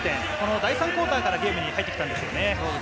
第３クオーターからゲームに入ってきたんですよね。